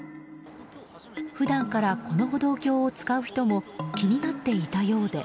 普段からこの歩道橋を使う人も気になっていたようで。